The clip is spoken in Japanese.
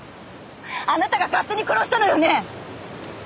あなたが勝手に殺したのよね！？